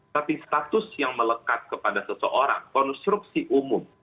tapi status yang melekat kepada seseorang konstruksi umum